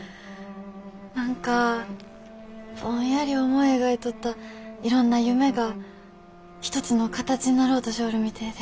何かぼんやり思い描いとったいろんな夢が一つの形になろうとしょおるみてえで。